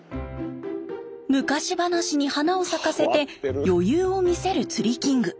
昔話に花を咲かせて余裕を見せる釣りキング。